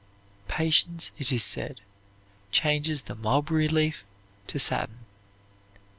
Patience, it is said, changes the mulberry leaf to satin.